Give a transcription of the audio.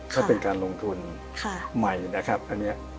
ก็เป็นการลงทุนใหม่นะครับอันนี้